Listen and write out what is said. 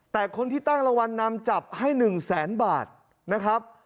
แต่คนที่ตั้งรางวัลนำจับให้๑แสนบาทนะครับ